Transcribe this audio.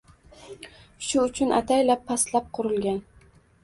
Shu uchun ataylab pastlab qurilgan.